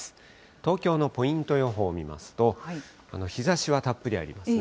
東京のポイント予報を見ますと、日ざしはたっぷりありますね。